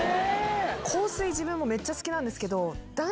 香水自分もめっちゃ好きなんですけど。